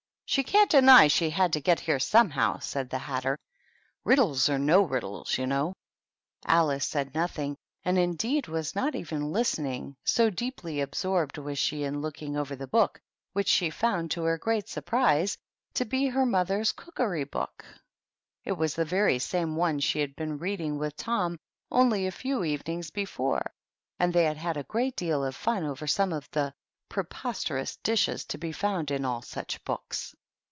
" She can't deny she had to get here somehow," said the Hatter, "riddles or no riddles, you know." Alice said nothing, and indeed was not even listening, so deeply absorbed was she in looking over the book, which she found, to her great surprise, to be her mother's "Cookery Book." THE TEA TABLE. 69 It was the very same one she had been reading with Tom only a few evenings before, and they had had a great deal of fun over some of the preposterous dishes to be found in all such books.